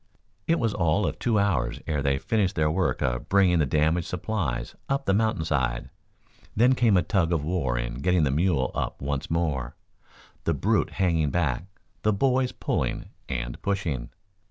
It was all of two hours ere they finished their work of bringing the damaged supplies up the mountain side. Then came a tug of war in getting the mule up once more, the brute hanging back, the boys pulling and pushing.